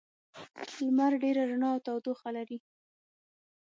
لمر ډېره رڼا او تودوخه لري.